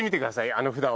あの札を。